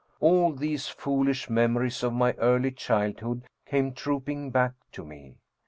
All these foolish memories of my early childhood came trooping back to me.